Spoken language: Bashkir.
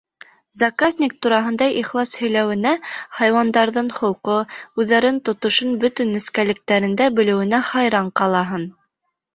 Заказник тураһында ихлас һөйләүенә, хайуандарҙың холҡо, үҙҙәрен тотошон бөтөн нескәлектәрендә белеүенә хайран ҡалаһың.